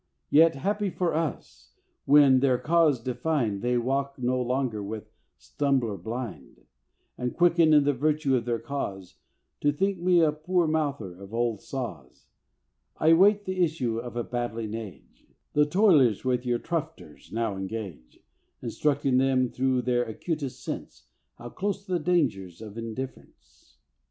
Yet, happy for us when, their cause defined, They walk no longer with a stumbler blind, And quicken in the virtue of their cause, To think me a poor mouther of old saws! I wait the issue of a battling Age; The toilers with your "troughsters" now engage; Instructing them through their acutest sense, How close the dangers of indifference!